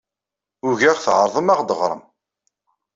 Ugaɣ tɛerḍem ad aɣ-d-teɣrem.